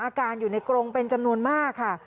อาการอยู่ในกรงเป็นจำนวนมากค่ะ